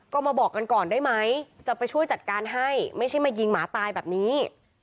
ก็มาบอกกันก่อนได้ไหมจะไปช่วยจัดการให้ไม่ใช่มายิงหมาตายแบบนี้